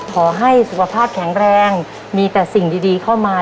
ขอให้สุขภาพแข็งแรงมีแต่สิ่งดีเข้ามา